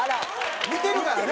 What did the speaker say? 見てるからね。